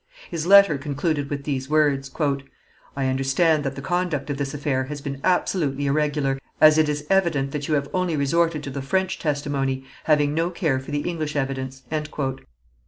His letter concluded with these words: "I understand that the conduct of this affair has been absolutely irregular, as it is evident that you have only resorted to the French testimony, having no care for the English evidence."